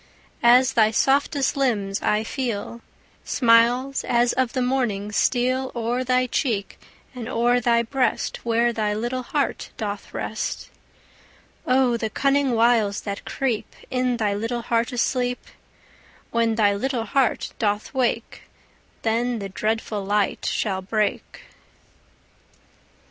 As thy softest limbs I feel, Smiles as of the morning steal O'er thy cheek, and o'er thy breast Where thy little heart doth rest. O the cunning wiles that creep In thy little heart asleep! When thy little heart doth wake, Then the dreadful light shall break.